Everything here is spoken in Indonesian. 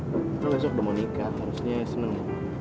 kita besok udah mau nikah harusnya seneng dong